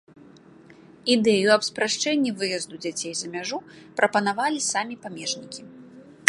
Ідэю аб спрашчэнні выезду дзяцей за мяжу прапанавалі самі памежнікі.